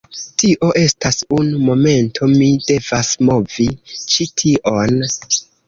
Tio estas… unu momento, mi devas movi ĉi tion.